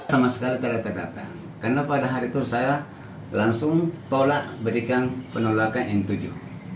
sama sekali terdata datang karena pada hari itu saya langsung tolak berikan penolakan yang tujuh